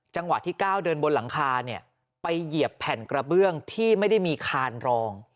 จังหวะที่ก้าวเดินบนหลังคาเนี่ยไปเหยียบแผ่นกระเบื้องที่ไม่ได้มีคานรอง